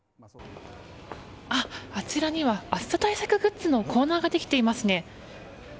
あちらには暑さ対策グッズのコーナーができていますね。